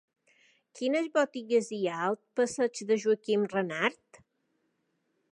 Quines botigues hi ha al passeig de Joaquim Renart?